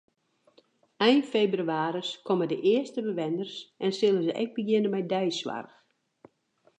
Ein febrewaris komme de earste bewenners en sille se ek begjinne mei deisoarch.